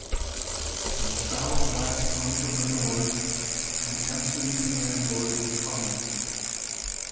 The south lacked entrepreneurs, and absentee landlords were common.